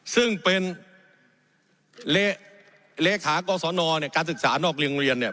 ซึ่งเป็นเลขากศนเนี่ยการศึกษานอกโรงเรียนเนี่ย